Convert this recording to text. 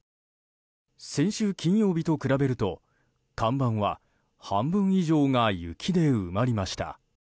先週金曜日と比べると看板は半分以上が雪で埋まりました。